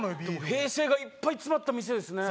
平成がいっぱい詰まった店ですね